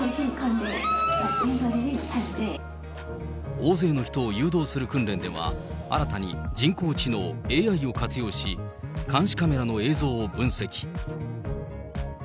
大勢の人を誘導する訓練では、新たに人工知能・ＡＩを活用し、監視カメラの映像を分析。